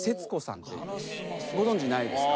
ご存じないですか？